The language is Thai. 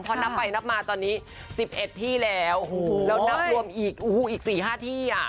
พอนับไปนับมาตอนนี้๑๑ที่แล้วแล้วนับรวมอีก๔๕ที่อ่ะ